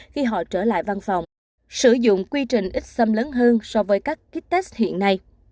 khi họ trở lại văn phòng sử dụng quy trình ít xâm lớn hơn so với các kites hiện nay